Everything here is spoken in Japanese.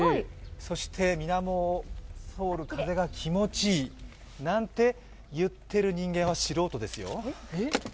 そして水面を通る風が気持ちいいなんて言ってる人間は素人ですよ。